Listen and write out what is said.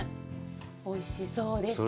おいしそうでした。